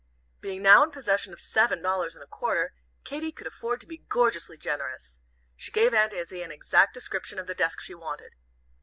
Being now in possession of seven dollars and a quarter, Katy could afford to be gorgeously generous. She gave Aunt Izzie an exact description of the desk she wanted.